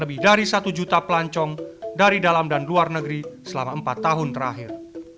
lebih dari satu juta pelancong dari dalam dan luar negeri selama empat tahun terakhir